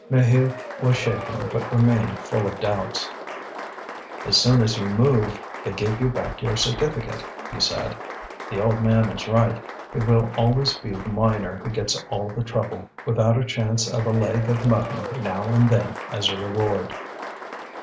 Maheu was shaken but remained full of doubts. "As soon as you move they give you back your certificate," he said. "The old man is right; it will always be the miner who gets all the trouble, without a chance of a leg of mutton now and then as a reward."